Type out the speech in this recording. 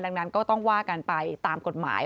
ดังนั้นก็ต้องว่ากันไปตามกฎหมาย